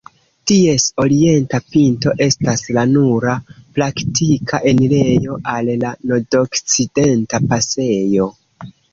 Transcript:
Ties orienta pinto estas la nura praktika enirejo al la Nordokcidenta pasejo.